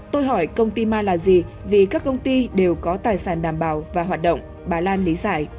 tôi hỏi công ty ma là gì vì các công ty đều có tài sản đảm bảo và hoạt động bà lan lý giải